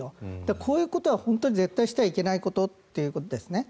こういうことは本当に絶対してはいけないことということですね。